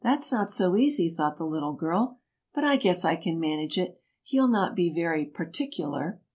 ] "That's not so easy," thought the little girl, "but I guess I can manage it he'll not be very par tic u lar."